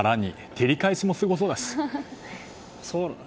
照り返しもすごそうだし。